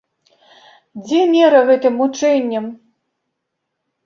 Дзе мера гэтым мучэнням?